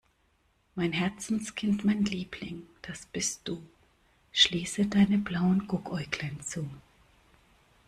Mein Herzenskind, mein Liebling, das bist du, schließe deine blauen Guckäuglein zu.